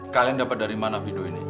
kalian dapat dari mana video ini